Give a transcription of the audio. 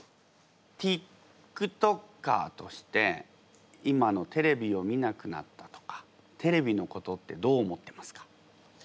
ティックトッカーとして今のテレビを見なくなったとかテレビのことってどう思ってますか？